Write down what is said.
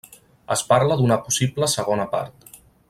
Es parla d'una possible segona part.